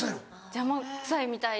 邪魔くさいみたいで。